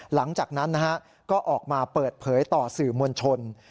หลังจากนั้นก็ออกมาเปิดเผยต่อสื่อมวลชน